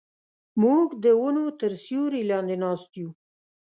موږ د ونو تر سیوري لاندې ناست یو.